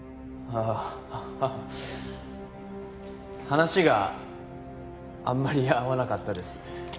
話があんまり合わなかったです。